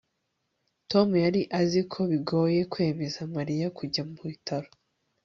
tom yari azi ko bigoye kwemeza mariya kujya mu bitaro